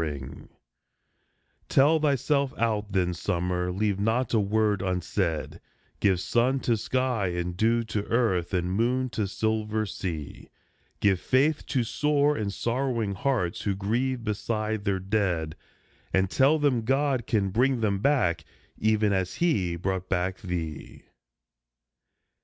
80 A SUMMER SONG Tell thyself out then, summer, leave not a word unsaid, Give sun to sky, and dew to earth, and moon to silver sea; Give faith to sore and sorrowing hearts who grieve beside their dead, And tell them God can bring them back, even as he brought back thee.